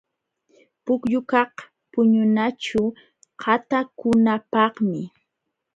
Pullukaq puñunaćhu qatakunapaqmi.